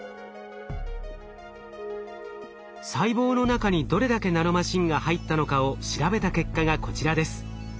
細胞の中にどれだけナノマシンが入ったのかを調べた結果がこちらです。